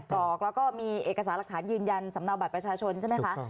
กรอกแล้วก็มีเอกสารหลักฐานยืนยันสำเนาบัตรประชาชนใช่ไหมคะ